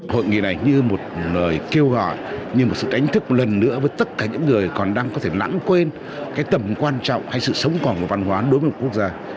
hội nghị này như một lời kêu gọi như một sự đánh thức lần nữa với tất cả những người còn đang có thể lãng quên cái tầm quan trọng hay sự sống còn của văn hóa đối với một quốc gia